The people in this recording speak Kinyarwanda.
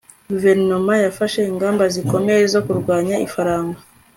guverinoma yafashe ingamba zikomeye zo kurwanya ifaranga